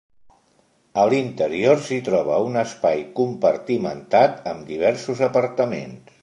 A l'interior s'hi troba un espai compartimentat, amb diversos apartaments.